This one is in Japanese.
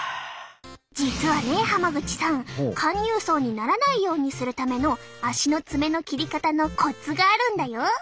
実はね濱口さん陥入爪にならないようにするための足の爪の切り方のコツがあるんだよ。